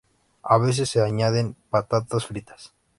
A veces se añaden patatas fritas.